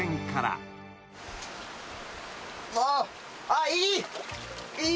ああいい。